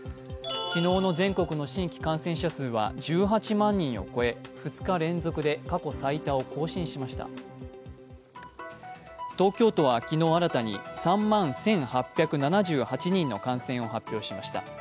昨日の全国の新規感染者数は１８万人を超え、２日連続で過去最多を更新しました東京都は昨日新たに、３万１８７８人の感染を発表しました。